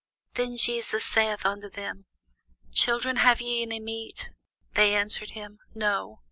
Then Jesus saith unto them, Children, have ye any meat? They answered him, No.